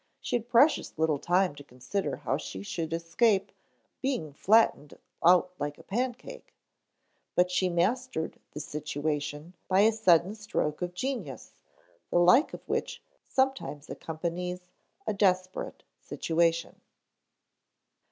She had precious little time to consider how she should escape being flattened out like a pancake, but she mastered the situation by a sudden stroke of genius the like of which sometimes accompanies a desperate situation.